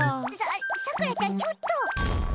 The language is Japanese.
さくらちゃん、ちょっと。